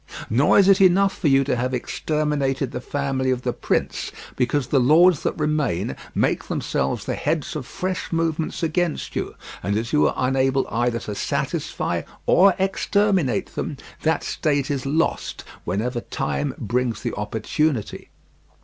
Nor is it enough for you to have exterminated the family of the prince, because the lords that remain make themselves the heads of fresh movements against you, and as you are unable either to satisfy or exterminate them, that state is lost whenever time brings the opportunity.